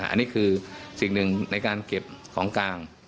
อันนี้คือสิ่งหนึ่งในการเก็บของกลาง